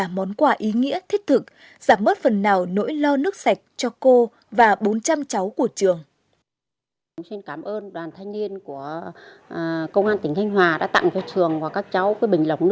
là món quà ý nghĩa thích thực giảm mất phần nào nỗi lo nước sạch cho cô và bốn trăm linh cháu của trường